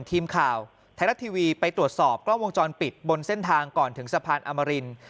ทีมข่าวไทยรัฐทีวีไปตรวจสอบกล้องวงจรปิดบนเส้นทางก่อนถึงสะพานอมริน